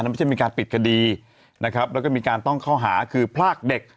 ไม่ใช่มีการปิดคดีนะครับแล้วก็มีการต้องเข้าหาคือพลากเด็ก